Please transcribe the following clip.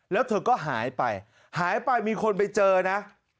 แล้วเธอก็หายไปหายไปมีคนไปเจอนะ